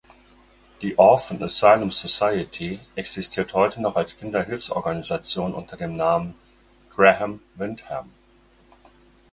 Die "Orphan Asylum Society" existiert heute noch als Kinderhilfsorganisation unter dem Namen "Graham Windham".